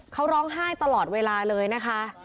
เขาร้องไห้ตลอดเวลาเลยนะคะ